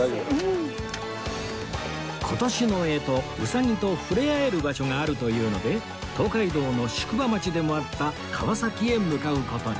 今年の干支うさぎと触れ合える場所があるというので東海道の宿場町でもあった川崎へ向かう事に